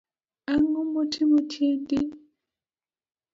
Angomotimo tiendi?